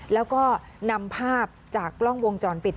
แล้วก็นำภาพจากกล้องวงจรปิด